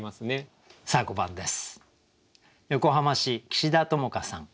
さあ５番です。